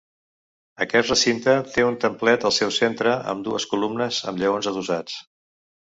Aquest recinte té un templet al seu centre amb dues columnes amb lleons adossats.